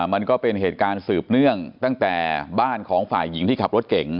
มันก็เป็นเหตุการณ์สืบเนื่องตั้งแต่บ้านของฝ่ายหญิงที่ขับรถเก่ง